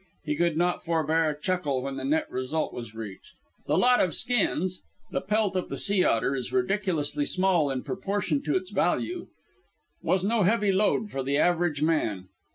He could not forbear a chuckle when the net result was reached. The lot of the skins the pelt of the sea otter is ridiculously small in proportion to its value was no heavy load for the average man.